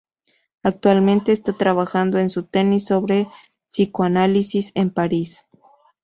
Actualmente está trabajando en su tesis sobre psicoanálisis en París.